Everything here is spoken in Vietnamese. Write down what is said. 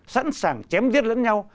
sẵn sàng chém giết lẫn nhau